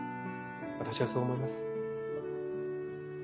私はそう思います。